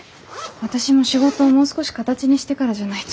私も仕事をもう少し形にしてからじゃないと。